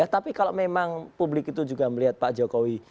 tapi kalau memang publik itu juga melihat pak jokowi